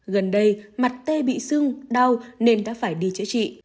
gần đây mặt tê bị sưng đau nên đã phải đi chữa trị